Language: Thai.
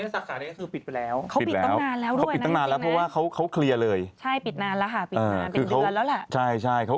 แต่คือตอนนี้สังขาดนี้ก็คือปิดไปแล้ว